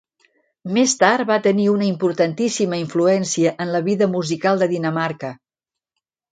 Més tard va tenir una importantíssima influència en la vida musical de Dinamarca.